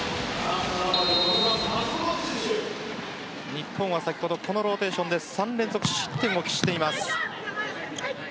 日本は先ほどこのローテーションで３連続失点を喫しています。